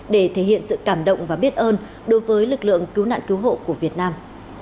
để thể hiện sự cảm động và biết ơn đối với lực lượng cứu nạn cứu hộ của việt nam